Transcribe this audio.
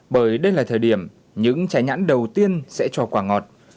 bởi đây là thời điểm những trái nhãn đầu tiên sẽ cho quả ngọt